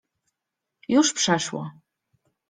Już przeszło.